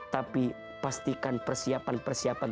tapi pastikan persiapan persiapan